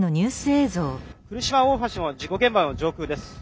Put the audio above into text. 「来島大橋事故現場の上空です。